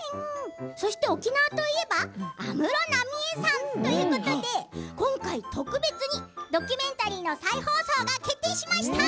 そして沖縄といえば安室奈美恵さんということで今回、特別にドキュメンタリーの再放送が決定しました。